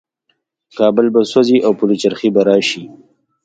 کابل به سوځي او پلچرخي به راشي.